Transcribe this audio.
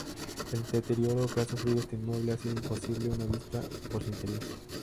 El deterioro que ha sufrido este inmueble hace imposible una visita por su interior.